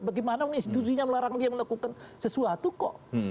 bagaimana institusinya melarang dia melakukan sesuatu kok